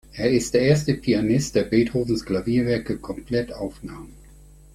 Er ist der erste Pianist, der Beethovens Klavierwerke komplett aufnahm.